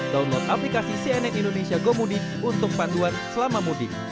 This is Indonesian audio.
download aplikasi cnn indonesia gomudik untuk panduan selama mudik